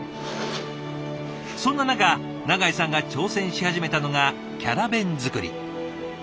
そんな中永井さんが挑戦し始めたのがキャラ弁作り。